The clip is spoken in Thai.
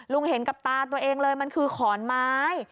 เห็นกับตาตัวเองเลยมันคือขอนไม้